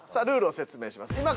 ルールを説明します。